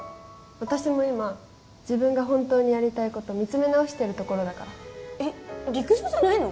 私も今自分が本当にやりたいこと見つめ直してるところだからえっ陸上じゃないの？